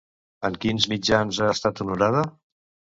En quins mitjans ha estat honorada?